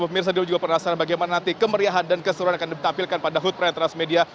pemirsa juga penasaran bagaimana nanti kemeriahan dan keseruan akan ditampilkan pada hood print transmedia